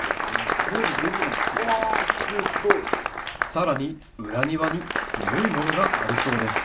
さらに裏庭にすごいものがあるそうです